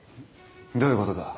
どういうことだ？